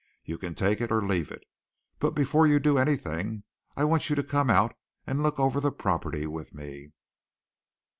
You can take it or leave it, but before you do anything, I want you to come out and look over the property with me."